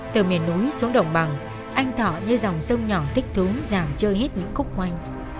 từ miền núi xuống đồng bằng anh thọ như dòng sông nhỏ tích thú giảm chơi hết những khúc ngoanh